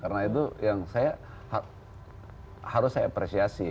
karena itu yang saya harus saya apresiasi